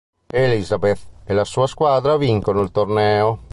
Elisabeth e la sua squadra vincono il torneo.